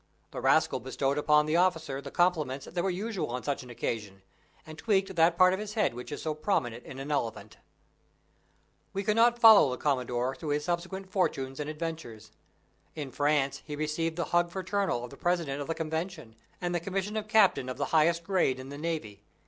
The rascal bestowed upon the officer the compliments that were usual on such an occasion, and tweaked that part of his head that is so prominent in an elephant. We cannot follow the Commodore through his subsequent fortunes and adventures. In France he received the hug fraternal of the President of the Convention, and the commission of Captain of the highest grade in the Navy.